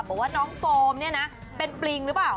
บอกว่าน้องโฟมเนี่ยนะเป็นปริงหรือเปล่า